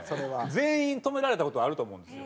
全員止められた事あると思うんですよ。